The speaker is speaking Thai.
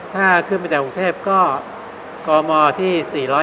ถ้าขึ้นไปจากกรมอที่๔๑๕๔๑๖